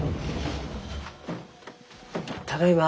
ただいま。